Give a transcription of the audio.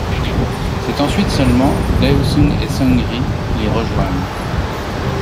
C'est ensuite seulement Daesung et Seungri les rejoignent.